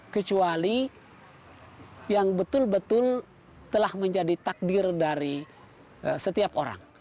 kecuali yang betul betul telah menjadi takdir dari setiap orang